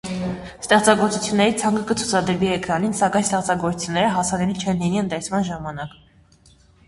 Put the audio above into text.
Ստեղծագործությունների ցանկը կցուցադրվի էկրանին, սակայն ստեղծագործությունները հասանելի չեն լինի ընթերցման համար։